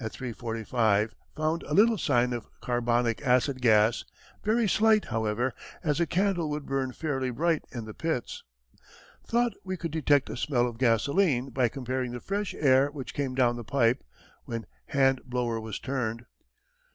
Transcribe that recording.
45 found a little sign of carbonic acid gas, very slight, however, as a candle would burn fairly bright in the pits. Thought we could detect a smell of gasoline by comparing the fresh air which came down the pipe (when hand blower was turned).